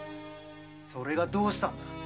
それがどうした。